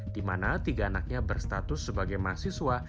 di mana tiga anaknya berstatus sebagai mahasiswa